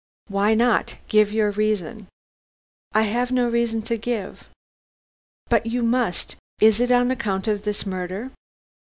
"Why not? Give your reason." "I have no reason to give." "But you must. Is it on account of this murder?"